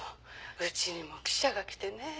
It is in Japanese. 家にも記者が来てね。